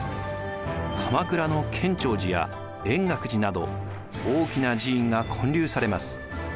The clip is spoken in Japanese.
鎌倉の建長寺や円覚寺など大きな寺院が建立されます。